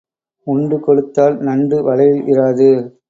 உண்டு கொழுத்தால் நண்டு வலையில் இராது.